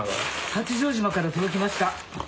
八丈島から届きました。